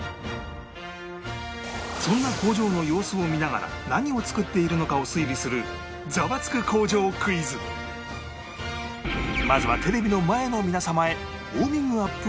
そんな工場の様子を見ながら何を作っているのかを推理するまずはテレビの前の皆様へ